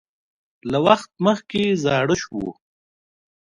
له وخت مخکې زاړه شو